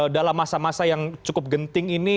dalam masa masa yang cukup genting ini